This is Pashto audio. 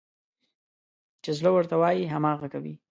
چې زړه ورته وايي، هماغه کوي.